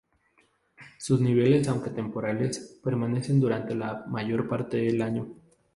Sus nieves, aunque temporales, permanecen durante la mayor parte del año.